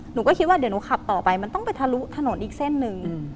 หนูก็คิดว่าเดี๋ยวหนูขับต่อไปมันต้องไปทะลุถนนอีกเส้นหนึ่ง